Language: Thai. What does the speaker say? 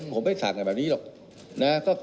ผมแป้งสั่งแบบนี้หรอก